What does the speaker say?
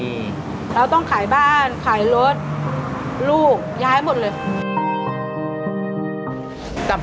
ขอบคุณครับ